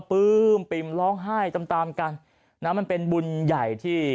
ปื้มปิ่มร้องไห้ตามตามกันนะมันเป็นบุญใหญ่ที่